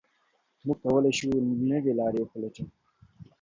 موږ کولای شو نوي لارې وپلټو.